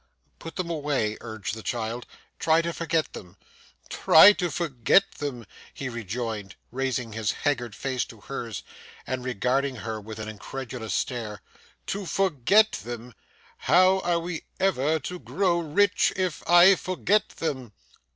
'Put them away,' urged the child. 'Try to forget them.' 'Try to forget them!' he rejoined, raising his haggard face to hers, and regarding her with an incredulous stare. 'To forget them! How are we ever to grow rich if I forget them?